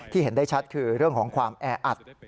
เห็นได้ชัดคือเรื่องของความแออัด